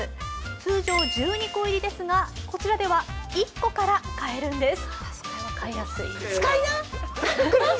通常１２個入りですがこちらでは１個から買えるんです。